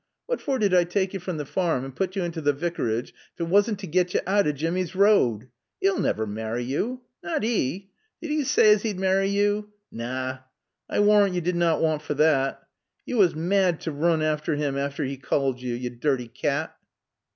What for did I tak' yo from t' Farm an' put yo into t' Vicarage ef 't wasn't t' get yo out o' Jimmy's road? 'E'll naver maarry yo. Nat 'e! Did 'e saay as 'e'd maarry yo? Naw, I warrant yo did na waat fer thot. Yo was mad t' roon affter 'im afore 'e called yo. Yo dirty cat!"